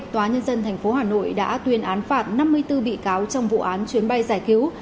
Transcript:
tòa nhân dân tp hà nội đã tuyên án phạt năm mươi bốn bị cáo trong vụ án chuyến bay giải cứu